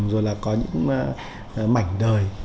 rồi là có những mảnh đời